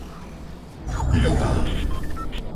Ľubá